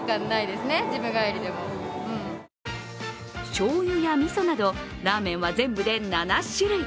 しょうゆやみそなどラーメンは全部で７種類。